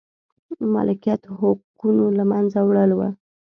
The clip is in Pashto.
مالکیت حقونو له منځه وړل و.